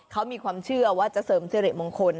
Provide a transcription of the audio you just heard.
เขามีความเชื่อว่าจะเสริมสิริมงคล